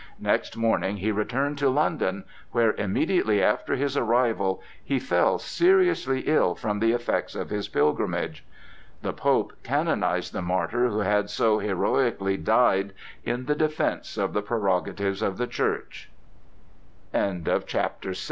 Next morning he returned to London, where, immediately after his arrival, he fell seriously ill from the effects of his pilgrimage. The Pope canonized the martyr who had so heroically died in the defence of the prerogatives of the Church. CHAPTE